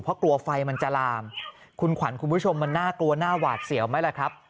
เพราะกลัวไฟมันจะลามคุณขวัญคุณผู้ชมมันน่ากลัวน่าหวาดเสียวไหมล่ะครับ